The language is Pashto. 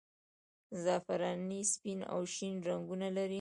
زعفراني سپین او شین رنګونه لري.